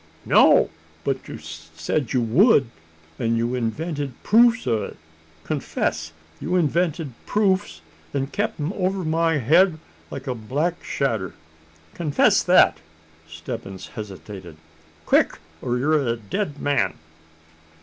"No! but you said you would; and you invented proofs o' it? Confess you invented proofs, an' kep' 'em over my head like a black shadder? Confess that!" Stebbins hesitated. "Quick, or ye're a dead man!"